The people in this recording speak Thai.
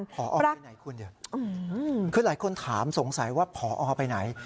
พอไปไหนคุณเดี๋ยวคือหลายคนถามสงสัยว่าพอไปไหน